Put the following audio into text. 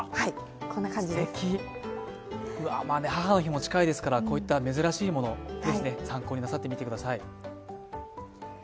母の日も近いですからこういった珍しいもの、ぜひ参考になさってみてください。